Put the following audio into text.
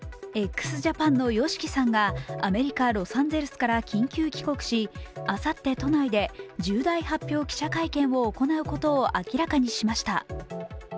ＸＪＡＰＡＮのＹＯＳＨＩＫＩさんがアメリカ・ロサンゼルスから緊急帰国しあさって都内で重大発表記者会見を行うことを明らかにしました。